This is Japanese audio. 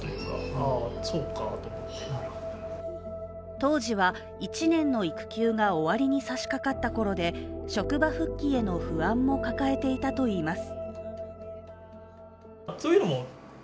当時は１年の育休が終わりに差しかかったころで職場復帰への不安も抱えていたといいます。